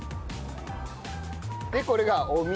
でこれがお水。